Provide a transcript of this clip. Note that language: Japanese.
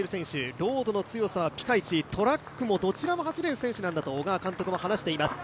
ロードの強さはピカイチ、トラックもどちらも走れる選手なんだと、小川監督も話しています。